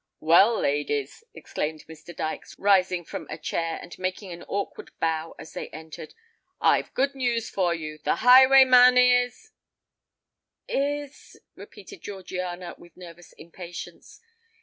"Well, ladies," exclaimed Mr. Dykes, rising from a chair, and making an awkward bow as they entered, "I've good news for you: the highwayman is——" "Is——" repeated Georgiana, with nervous impatience.